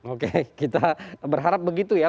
oke kita berharap begitu ya